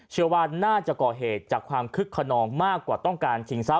เชื่อว่าน่าจะก่อเหตุจากความคึกขนองมากกว่าต้องการชิงทรัพ